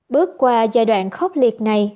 bước qua giai đoạn khốc liệt này